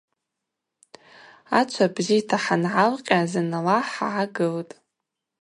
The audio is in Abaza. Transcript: Ачва бзита хӏангӏалкъьа зынла хӏгӏагылтӏ.